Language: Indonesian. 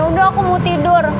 udah aku mau tidur